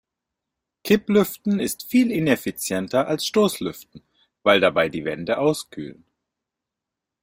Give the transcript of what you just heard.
Kipplüften ist viel ineffizienter als Stoßlüften, weil dabei die Wände auskühlen.